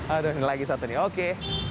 aduh ini lagi satu nih oke